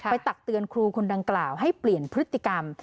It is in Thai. ตักเตือนครูคนดังกล่าวให้เปลี่ยนพฤติกรรม